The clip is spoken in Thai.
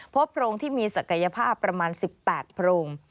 โพรงที่มีศักยภาพประมาณ๑๘โพรง